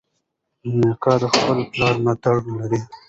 میکا د خپل پلار ملاتړ لري.